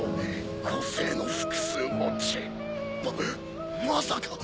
個性の複数持ちままさか。